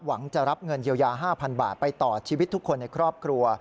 หวังจะรับเงินเยียวยา๕๐๐๐บาทไปต่อชีวิตทุกคนในครอบครัว